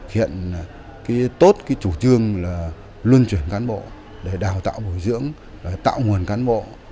hiện tốt cái chủ trương là luân chuyển cán bộ để đào tạo bồi dưỡng tạo nguồn cán bộ